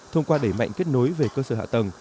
thông qua đẩy mạnh kết nối về cơ sở hạ tầng